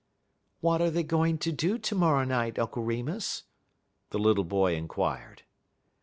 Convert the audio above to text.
"What are they going to do to morrow night, Uncle Remus?" the little boy inquired.